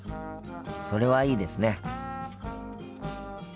それはいいですね。